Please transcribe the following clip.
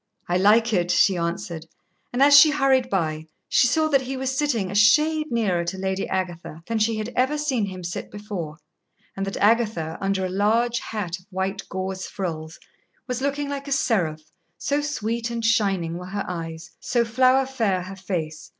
"I like it," she answered, and, as she hurried by, she saw that he was sitting a shade nearer to Lady Agatha than she had ever seen him sit before, and that Agatha, under a large hat of white gauze frills, was looking like a seraph, so sweet and shining were her eyes, so flower fair her face.